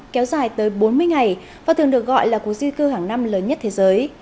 kéo dài tới bốn mươi ngày và thường được gọi là cuộc di cư hàng năm lớn nhất thế giới